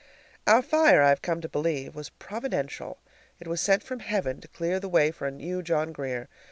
Our fire, I have come to believe, was providential. It was sent from heaven to clear the way for a new John Grier.